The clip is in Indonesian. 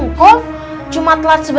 bahkan berapa kali methods harus tahu